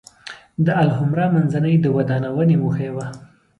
د الحمرأ منځۍ د ودانونې موخه یې وه.